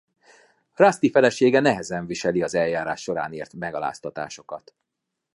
Rusty felesége nehezen viseli az eljárás során ért megaláztatásokat.